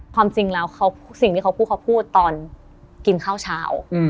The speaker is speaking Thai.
ความจริงแล้วสิ่งที่เขาพูดเขาพูดตอนกินข้าวเช้า